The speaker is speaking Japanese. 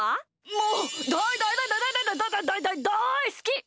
もうだいだいだいだいだいすき！